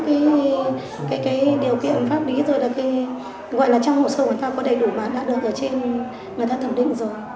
cái điều kiện pháp lý rồi là cái gọi là trong hồ sơ của người ta có đầy đủ mà đã được ở trên người ta thẩm định rồi